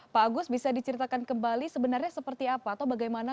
pak agus bisa diceritakan kembali sebenarnya seperti apa atau bagaimana